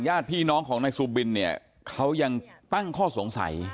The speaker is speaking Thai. ญาติพี่น้องของนายซูบินเนี่ยเขายังตั้งข้อสงสัย